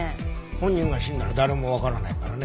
本人が死んだら誰もわからないからね。